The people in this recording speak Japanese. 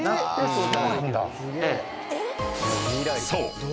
［そう］